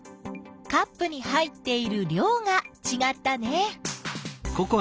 カップに入っている量がちがったね。